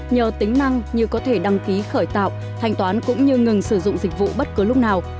nhờ tính năng như có thể đăng ký khởi tạo thành toán cũng như ngừng sử dụng dịch vụ bất cứ lúc nào